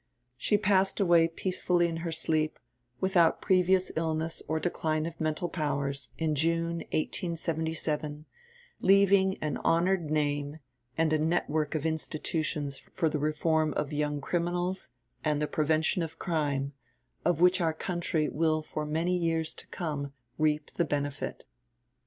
She passed away peacefully in her sleep, without previous illness or decline of mental powers, in June 1877, leaving an honoured name, and a network of institutions for the reform of young criminals, and the prevention of crime, of which our country will for many years to come reap the benefit.